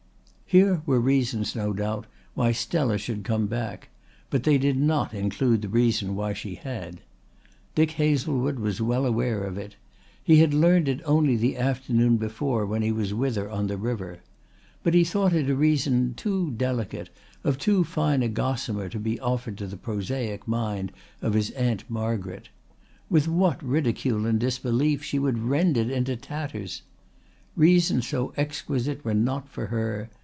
Here were reasons no doubt why Stella should come back; but they did not include the reason why she had. Dick Hazlewood was well aware of it. He had learnt it only the afternoon before when he was with her on the river. But he thought it a reason too delicate, of too fine a gossamer to be offered to the prosaic mind of his Aunt Margaret. With what ridicule and disbelief she would rend it into tatters! Reasons so exquisite were not for her.